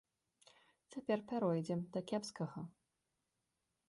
Цяпер пяройдзем да кепскага.